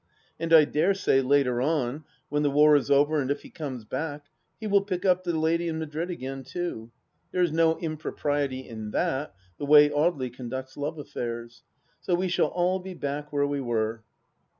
... And I dare say, later on, when the war is over and if he comes back, he will pick up the lady in Madrid again too. There is no impropriety in that, the way Audely conducts love affairs. So we shall all be back where we were.